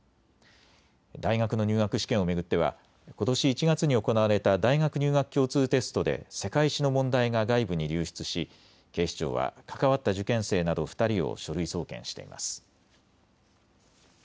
大学の入学試験を巡ってはことし１月に行われた大学入学共通テストで世界史の問題が外部に流出し警視庁は関わった受験生など２人を書類送検しています。